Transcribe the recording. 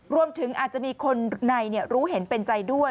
รวมถึงอาจจะมีคนในรู้เห็นเป็นใจด้วย